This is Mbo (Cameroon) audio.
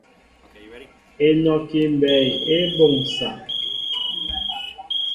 Enɔki mbɛy e boŋsa.